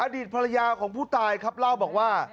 อดีตภรรยาของผู้ตายครับเล่าบอกว่า